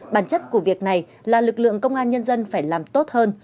bản chất của việc này là lực lượng công an nhân dân phải làm tốt hơn